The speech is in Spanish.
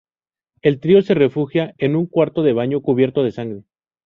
El trío se refugia en un cuarto de baño cubierto de sangre.